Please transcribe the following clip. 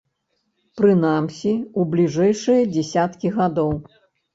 Прынамсі, у бліжэйшыя дзесяткі гадоў.